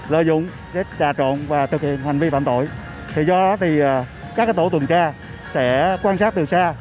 lợi dụng để trà trộn và thực hiện hành vi phạm tội thì do đó thì các tổ tuần tra sẽ quan sát từ xa